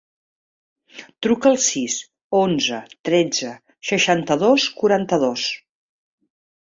Truca al sis, onze, tretze, seixanta-dos, quaranta-dos.